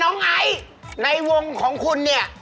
น้องไอร์ในวงของคุณเนี่ย